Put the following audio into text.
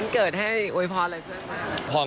เกิดให้อวยพรอะไรเพื่อนบ้าง